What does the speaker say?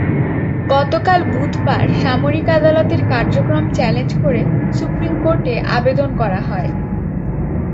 গতকাল বুধবার সামরিক আদালতের কার্যক্রম চ্যালেঞ্জ করে সুপ্রিম কোর্টে আবেদন করা হয়।